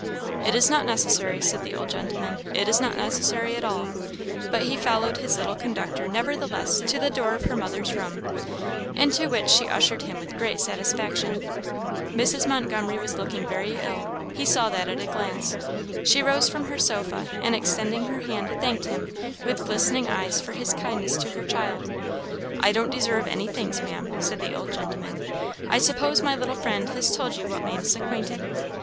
"It is not necessary," said the old gentleman "it is not necessary at all;" but he followed his little conductor, nevertheless, to the door of her mother's room, into which she ushered him with great satisfaction. Mrs. Montgomery was looking very ill he saw that at a glance. She rose from her sofa, and extending her hand, thanked him, with glistening eyes, for his kindness to her child. "I don't deserve any thanks, Maam," said the old gentleman; "I suppose my little friend has told you what made us acquainted?"